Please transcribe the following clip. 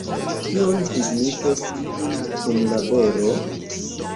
Kion signifos tiu kunlaboro?